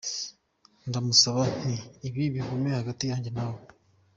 Ndamusaba nti ’Ibi bigume hagati yanjye nawe’.